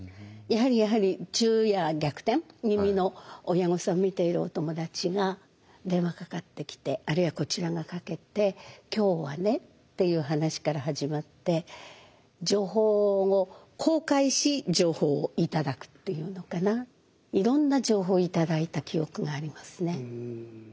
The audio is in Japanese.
やはりやはり昼夜逆転気味の親御さん見ているお友達が電話かかってきてあるいはこちらがかけて「今日はね」っていう話から始まって情報を公開し情報を頂くっていうのかないろんな情報を頂いた記憶がありますね。